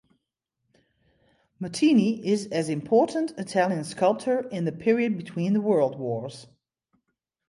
Martini is as important Italian sculptor in the period between the world wars.